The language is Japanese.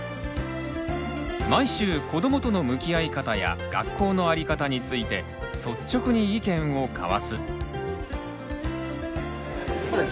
毎週子どもとの向き合い方や学校のあり方について率直に意見を交わす。